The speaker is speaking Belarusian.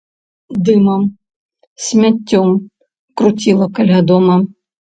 Дымам, смяццём круціла каля дома.